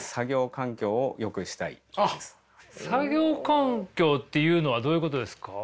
作業環境っていうのはどういうことですか？